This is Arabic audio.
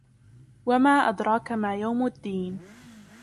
وَمَا أَدْرَاكَ مَا يَوْمُ الدِّينِ